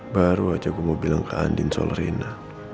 baru aja gue mau bilang ke andi soal rina